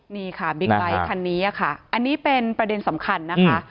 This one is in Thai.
นี่ค่ะบิ๊กไบท์คันนี้ค่ะอันนี้เป็นประเด็นสำคัญนะคะ